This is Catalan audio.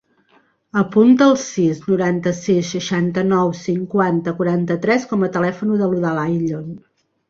Apunta el sis, noranta-sis, seixanta-nou, cinquanta, quaranta-tres com a telèfon de l'Eudald Ayllon.